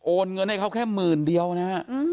โอนเงินให้เค้าแค่หมื่นเดียวนะ